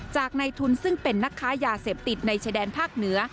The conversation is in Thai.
ในทุนซึ่งเป็นนักค้ายาเสพติดในชายแดนภาคเหนือ